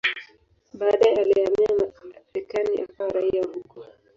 Baadaye alihamia Marekani akawa raia wa huko.